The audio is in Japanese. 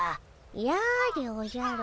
やでおじゃる。